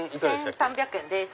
１３００円です。